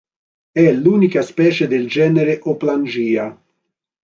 È l'unica specie del genere Hoplangia.